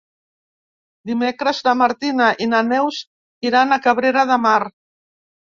Dimecres na Martina i na Neus iran a Cabrera de Mar.